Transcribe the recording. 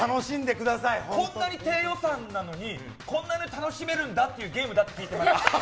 こんなに低予算なのにこんなに楽しめるんだっていうゲームだって聞いてます。